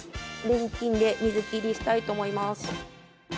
レンチンで水切りしたいと思います。